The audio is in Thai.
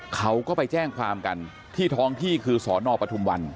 เขาก็ไปแจ้งความกันที่ท้องที่คือสนปทุมวัน